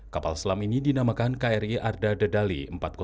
kapal selam ini dinamakan kri arda dedali empat ratus dua